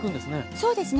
そうですね